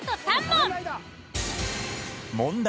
問題。